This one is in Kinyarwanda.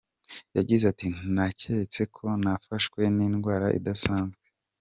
Yagize ati :”Naketse ko nafashwe n’indwara idasanzwe.